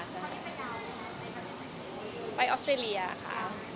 เสียงไปออสเตรเลียค่ะ